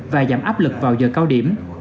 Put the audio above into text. và giảm áp lực vào giờ cao điểm